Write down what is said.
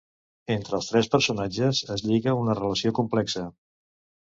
Entre els tres personatges es lliga una relació complexa.